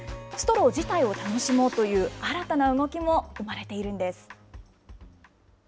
ストロー自体を楽しもうという、新たな動きも生まれているんです。